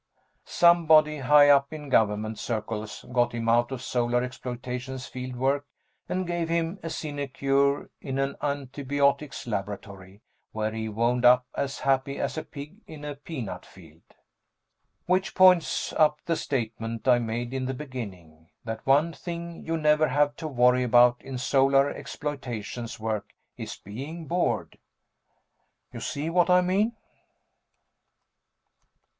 Somebody high up in Government circles got him out of Solar Exploitations field work and gave him a sinecure in an antibiotics laboratory, where he wound up as happy as a pig in a peanut field. Which points up the statement I made in the beginning, that one thing you never have to worry about in Solar Exploitations work is being bored. You see what I mean?